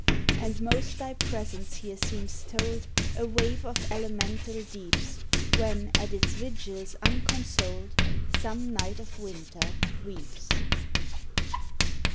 And most thy presence here seems told, A waif of elemental deeps. When, at its vigils unconsoled, Some night of winter weeps.